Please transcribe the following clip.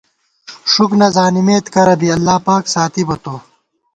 ݭُک نہ زانِمېت کرہ بی، اللہ پاک ساتِبہ تو